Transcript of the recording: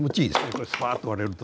これスパッと割れると。